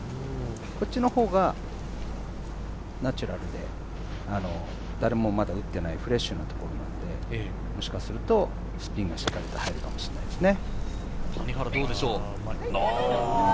こっちのほうがナチュラルで、誰もまだ打っていないフレッシュなところなので、もしかするとスピンがしっかりと入るかもしれないですね。